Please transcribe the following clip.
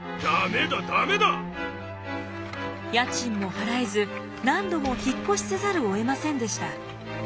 家賃も払えず何度も引っ越しせざるをえませんでした。